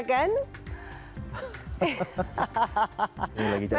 jujur tingkat ini ya kan